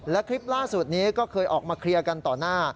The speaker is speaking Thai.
และคลิปล่าสุดนี้ก็เคยออกมาเคลียร์กันต่อหน้า